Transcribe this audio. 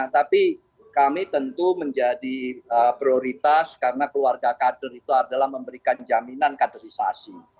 tapi kami tentu menjadi prioritas karena keluarga kader itu adalah memberikan jaminan kaderisasi